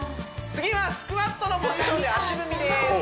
次はスクワットのポジションで足踏みです